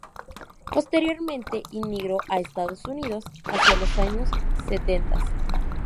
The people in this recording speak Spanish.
Posteriormente inmigró a Estados Unidos hacia los años setentas.